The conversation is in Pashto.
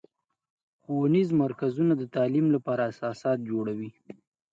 ښوونیز مرکزونه د تعلیم لپاره اساسات جوړوي.